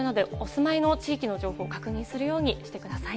キキクルで、お住まいの地域の情報を確認するようにしてください。